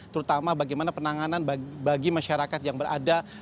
terutama bagaimana penanganan bagi masyarakat yang berada